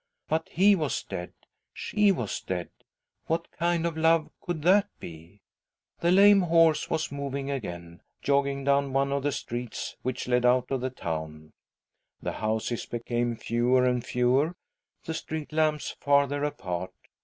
But he was dead she was dead! What kind of love could that be? t The lame horse was moving again, jogging down one of the streets which led out of the town The houses became fewer and fewer, the street lamps Lther apart.